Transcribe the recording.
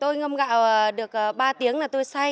tôi ngâm gạo được ba tiếng là tôi xay